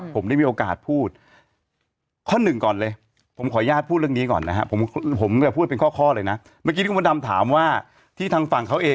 ไปเลยเดี๋ยวฉันเป็นสำนักอิ่มมาดีกว่า